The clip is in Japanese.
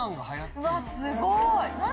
うわすごい。